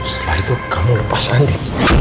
setelah itu kamu lepas sandi